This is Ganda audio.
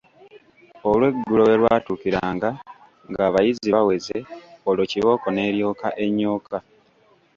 Olweggulo we lwatuukiranga ng'abayizi baweze, olwo kibooko n'eryoka enyooka!